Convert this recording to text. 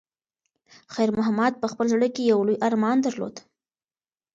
خیر محمد په خپل زړه کې یو لوی ارمان درلود.